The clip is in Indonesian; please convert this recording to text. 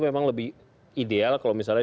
memang lebih ideal kalau misalnya